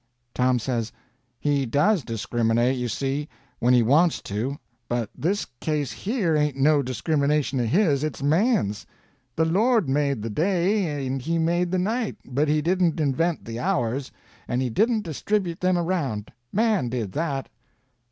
Tom says: "He does discriminate, you see, when he wants to; but this case here ain't no discrimination of his, it's man's. The Lord made the day, and he made the night; but he didn't invent the hours, and he didn't distribute them around. Man did that."